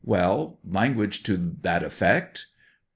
Well, language to that effect